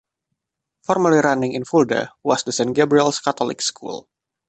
Formerly running in Fulda was the Saint Gabriel's Catholic School.